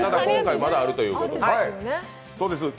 今回、まだあるということで。